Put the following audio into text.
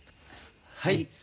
はい。